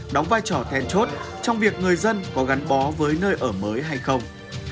đóng vai trò then chốt trong việc người dân có gắn bó với nơi ở mới hay không